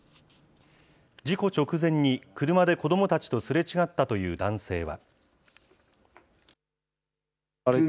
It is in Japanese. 事故直前に、車で子どもたちとすれ違ったという男性は。